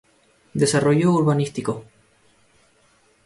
Desarrollo urbanístico.